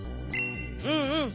うんうん。